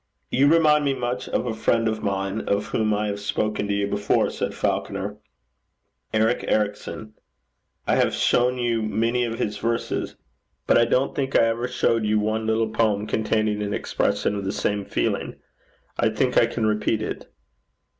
'You remind me much of a friend of mine of whom I have spoken to you before,' said Falconer, 'Eric Ericson. I have shown you many of his verses, but I don't think I ever showed you one little poem containing an expression of the same feeling. I think I can repeat it.